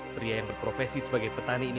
pria yang berprofesi sebagai petani ini